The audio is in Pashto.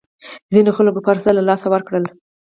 ځینو خلکو خپل هرڅه له لاسه ورکړل.